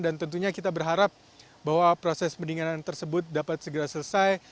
dan tentunya kita berharap bahwa proses pendinginan tersebut dapat segera selesai